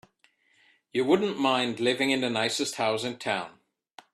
You wouldn't mind living in the nicest house in town.